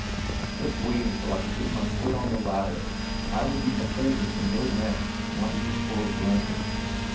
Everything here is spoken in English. Just wait until I could get my foot on the ladder, I would be beholden to no man, not even for a blanket.